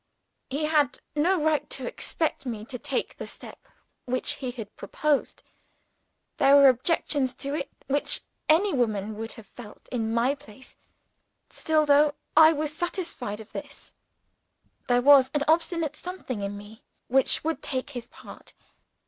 He had no right to expect me to take the step which he had proposed there were objections to it which any woman would have felt in my place. Still, though I was satisfied of this, there was an obstinate something in me which would take his part.